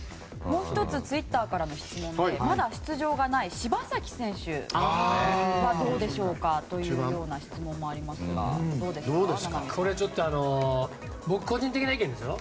もう１つツイッターからの質問でまだ出場がない柴崎選手はどうでしょうかという質問もありますが、名波さんどうですか？